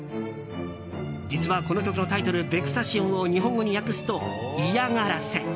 実は、この曲のタイトル「ヴェクサシオン」を日本語に訳すと、嫌がらせ。